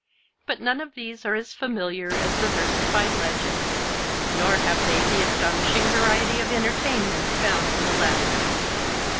But none of these are as familiar as the versified 'Legends,' nor have they the astonishing variety of entertainment found in the latter.